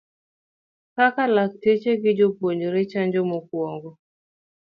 Kaka lakteche gi jopuonje chanjo mokuongo